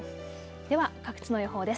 では、各地の予報です。